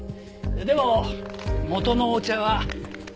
でも元のお茶はこれ。